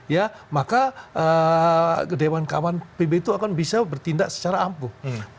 ya maka dewan kawan pb itu akan bisa bertindak secara ampuh